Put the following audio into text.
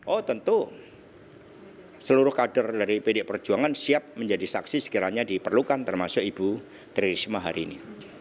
oh tentu seluruh kader dari pd perjuangan siap menjadi saksi sekiranya diperlukan termasuk ibu tri risma hari ini